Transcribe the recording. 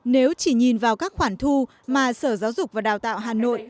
nếu chỉ nhìn vào các khoản thu mà sở giáo dục và đào tạo hà nội